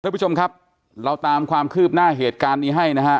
ทุกผู้ชมครับเราตามความคืบหน้าเหตุการณ์นี้ให้นะฮะ